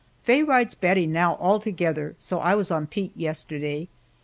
Faye rides Bettie now altogether, so I was on Pete yesterday.